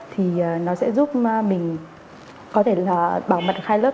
thì nó sẽ giúp mình có thể bảo mật hai lớp